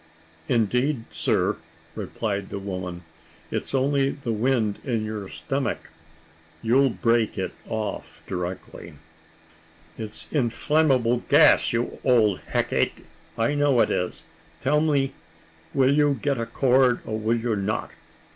"Indeed, sir," replied the woman, "it's only the wind in your stomach. You'll break it off directly." "It's inflammable gas, you old hecate! I know it is. Tell me will you get a cord, or will you not?